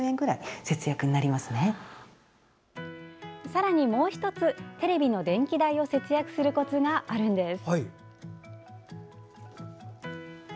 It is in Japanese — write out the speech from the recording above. さらにもう１つテレビの電気代を節約するコツがあるんです！